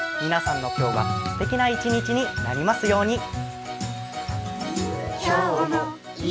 皆さんの今日がすてきな１日になりますように。